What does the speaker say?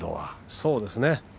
そうですね